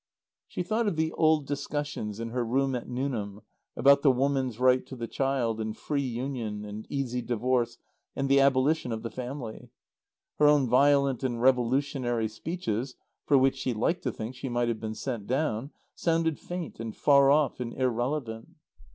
She thought of the old discussions in her room at Newnham, about the woman's right to the child, and free union, and easy divorce, and the abolition of the family. Her own violent and revolutionary speeches (for which she liked to think she might have been sent down) sounded faint and far off and irrelevant.